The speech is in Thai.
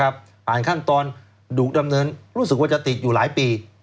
ผ่านขั้นตอนดุดำเนินรู้สึกว่าจะติดอยู่หลายปี